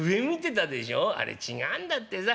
あれ違うんだってさ。